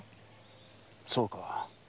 そうか。